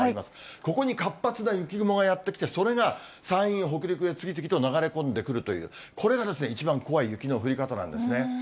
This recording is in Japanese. ここに活発な雪雲がやって来て、それが山陰、北陸へ次々と流れ込んでくるという、これが一番怖い雪の降り方なんですね。